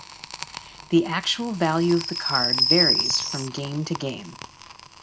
The actual value of the card varies from game to game.